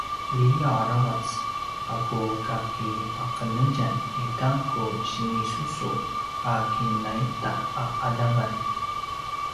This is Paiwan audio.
liyav aravac a ku kakipaqenetjan i ta ku sinisusu a kinaita a qadavan